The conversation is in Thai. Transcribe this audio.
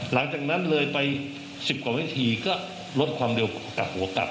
หลังจากนั้นเลยไป๑๐กว่าวิธีก็ลดความเร็วกลับหัวกลับ